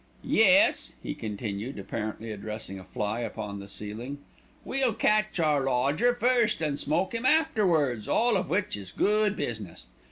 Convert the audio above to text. "Yes," he continued, apparently addressing a fly upon the ceiling, "we'll catch our lodger first an' smoke 'im afterwards, all of which is good business.